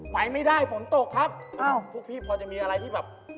ไปไม่ได้ฝนตกครับอ้าวพวกพี่พอจะมีอะไรที่แบบ